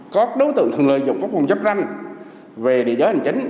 các đối tượng thường lợi dụng phòng chấp tranh về địa giới hành chính